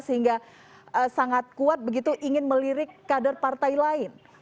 sehingga sangat kuat begitu ingin melirik kader partai lain